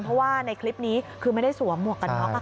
เพราะว่าในคลิปนี้คือไม่ได้สวมหมวกกันน็อก